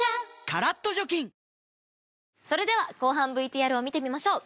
カラッと除菌それでは後半ＶＴＲを見てみましょう。